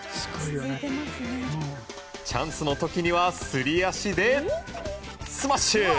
チャンスの時には、すり足でスマッシュ！